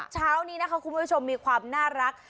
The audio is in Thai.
เช้านี้นะคะคุณผู้ชมมีความน่ารัก